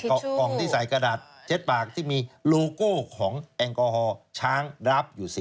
กล่องที่ใส่กระดาษ๗ปากที่มีโลโก้ของแอลกอฮอล์ช้างรับอยู่๑๐